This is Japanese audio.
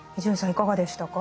いかがでしたか？